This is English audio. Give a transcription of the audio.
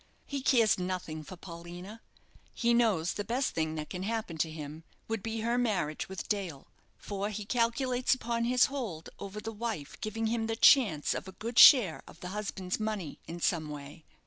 He cares nothing for Paulina; he knows the best thing that can happen to him would be her marriage with Dale, for he calculates upon his hold over the wife giving him the chance of a good share of the husband's money in some way.